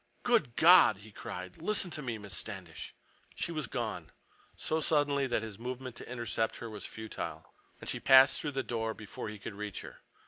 "Good God!" he cried. "Listen to me—Miss Standish—" She was gone, so suddenly that his movement to intercept her was futile, and she passed through the door before he could reach her.